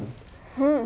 うん。